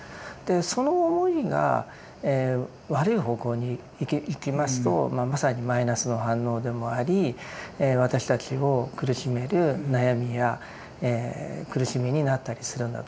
その思いが悪い方向にいきますとまさにマイナスの反応でもあり私たちを苦しめる悩みや苦しみになったりするんだと思います。